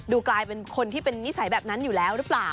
กลายเป็นคนที่เป็นนิสัยแบบนั้นอยู่แล้วหรือเปล่า